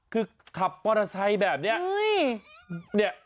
คือขับปลาไทยแบบนี้